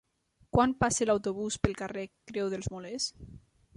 Quan passa l'autobús pel carrer Creu dels Molers?